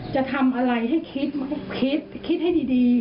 จะทำอะไรให้คิดคิดได้ดี